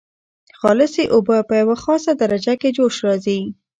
خالصې اوبه په یوه خاصه درجه کې جوش راځي.